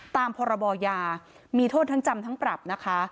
ตามพรบยามีโทษทั้งจำทั้งปรับนะคะ